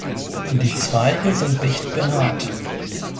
Die Zweige sind dicht behaart.